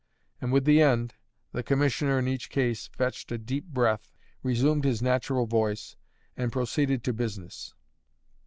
And with the end, the commissioner, in each case, fetched a deep breath, resumed his natural voice, and proceeded to business.